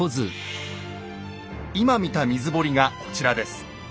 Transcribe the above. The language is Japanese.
今見た水堀がこちらです。